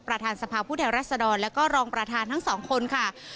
ประธานสภาพผู้แทนรัศดรแล้วก็รองประธานทั้งสองคนค่ะ